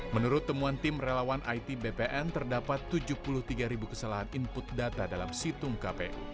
menurut temuan tim relawan it bpn terdapat tujuh puluh tiga ribu kesalahan input data dalam situng kpu